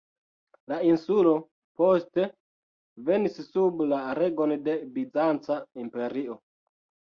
La insulo poste venis sub la regon de Bizanca imperio.